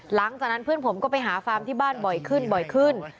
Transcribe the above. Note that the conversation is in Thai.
หลังจากนั้นเพื่อนผมก็ไปหาฟาร์มที่บ้านบ่อยขึ้นบ่อยขึ้น